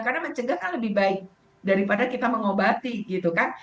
karena mencegah kan lebih baik daripada kita mengobati gitu kan